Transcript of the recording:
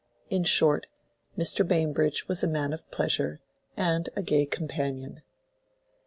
In short, Mr. Bambridge was a man of pleasure and a gay companion.